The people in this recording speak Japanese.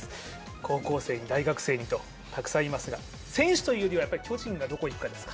高校生、大学生とたくさんいますが選手というよりは巨人がどこいくかですか？